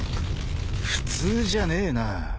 ［普通じゃねえな］